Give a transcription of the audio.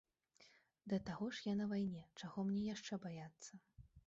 Да таго ж я на вайне, чаго мне яшчэ баяцца?